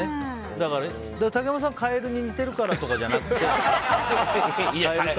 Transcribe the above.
竹山さんがカエルに似てるとかじゃなくて。